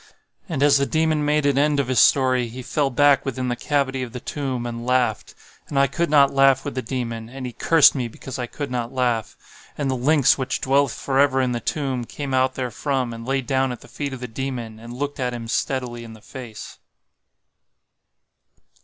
And as the Demon made an end of his story, he fell back within the cavity of the tomb and laughed. And I could not laugh with the Demon, and he cursed me because I could not laugh. And the lynx which dwelleth forever in the tomb, came out therefrom, and lay down at the feet of the Demon, and looked at him steadily in the face.